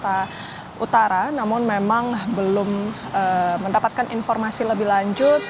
jakarta utara namun memang belum mendapatkan informasi lebih lanjut